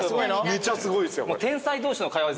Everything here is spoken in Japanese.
めちゃすごいですよ。